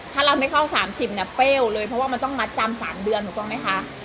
ถ้าเราไม่เข้า๓๐เนี่ยเป้วเลยเพราะว่ามันต้องมัดจำ๓เดือนถูกต้องไหมคะ